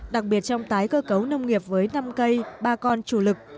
đặc biệt trong tái cơ cấu nông nghiệp với năm cây ba con chủ lực